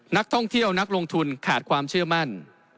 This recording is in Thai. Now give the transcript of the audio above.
นักท่องเที่ยวนักลงทุนขาดความเชื่อมั่น